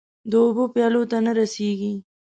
د اوبو پیالو ته نه رسيږې